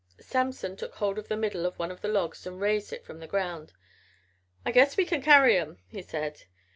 Samson took hold of the middle of one of the logs and raised it from the ground. "I guess we can carry 'em," he said.